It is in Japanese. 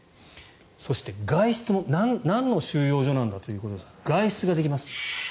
そして、外出もなんの収容所なんだということですが外出ができます。